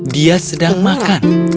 dia sedang makan